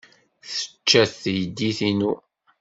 Tečča-t teydit-inu.